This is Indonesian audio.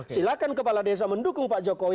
silahkan kepala desa mendukung pak jokowi